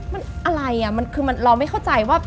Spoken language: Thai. มันอะไรอะคือมันเราไม่เข้าใจว่า